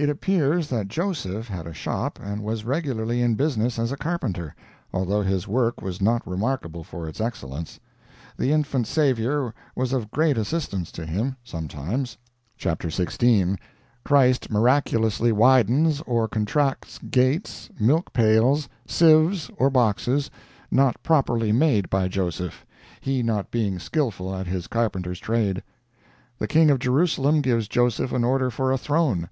It appears that Joseph had a shop and was regularly in business as a carpenter, although his work was not remarkable for its excellence. The infant Savior was of great assistance to him, sometimes: "Chapter 16. Christ miraculously widens or contracts gates, milk pails, sieves or boxes, not properly made by Joseph, he not being skillful at his carpenter's trade. The King of Jerusalem gives Joseph an order for a throne.